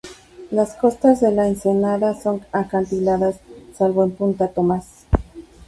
Las costas de la ensenada son acantiladas salvo en punta Thomas.